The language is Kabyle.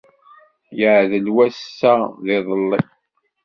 Yeεdel wass-a d yiḍelli.